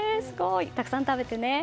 たくさん食べてね。